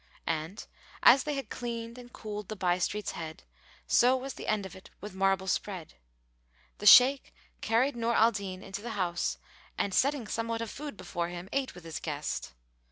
And, as they had cleaned and cooled the by street's head, so was the end of it with marble spread. The Shaykh carried Nur al Din into the house and setting somewhat of food before him ate with his guest.